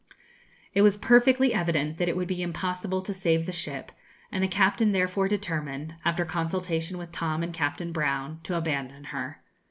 ] It was perfectly evident that it would be impossible to save the ship, and the captain therefore determined, after consultation with Tom and Captain Brown, to abandon her.